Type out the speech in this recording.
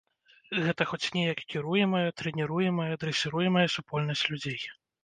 Гэта хоць неяк кіруемая, трэніруемая, дрэсіруемая супольнасць людзей.